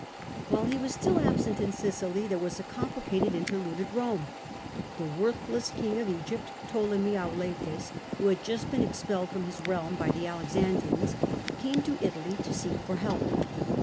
While he was still absent in Sicily there was a compli cated interlude at Rome. The worthless King of Egypt, Ptolemy Auletes, who had just been expelled from his realm by the Alexandrines, came to Italy to ask for help.